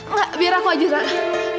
enggak biar aku aja yang beresin